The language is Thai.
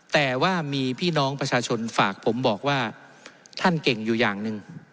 แต่ว่ามีพี่น้องประชาชนฝากผมบอกว่าท่านเก่งอยู่อย่างหนึ่ง